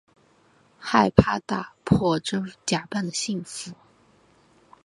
害怕打破这假扮的幸福